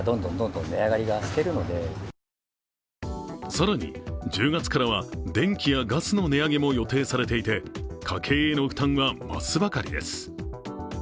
更に１０月からは電気やガスの値上げも予定されていて、家計への負担は増すばかりです。